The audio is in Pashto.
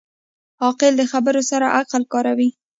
عاقل د خبرو سره عقل کاروي.